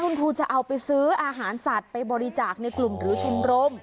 คุณครูจะเอาไปซื้ออาหารสัตว์ไปบริจาคในกลุ่มหรือชมรม